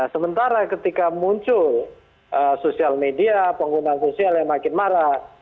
sementara ketika muncul sosial media pengguna sosial yang makin marah